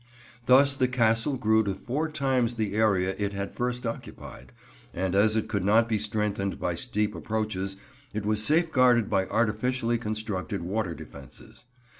Thus the Castle grew to four times the area it had at first occupied, and as it could not be strengthened by steep approaches, it was safeguarded by artificially constructed water defences.